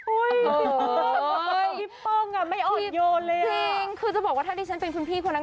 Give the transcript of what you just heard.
โอ๊ยพี่โป้งไม่อดโยนเลยอ่ะคือจะบอกว่าถ้าดิฉันเป็นคุณพี่คนนั้น